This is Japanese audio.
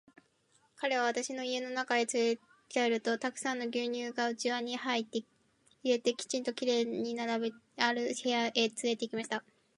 彼は私を家の中へつれて帰ると、たくさんの牛乳が器に入れて、きちんと綺麗に並べてある部屋へつれて行きました。